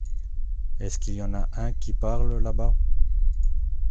Est-ce qu’il y en a un qui parle là-bas ?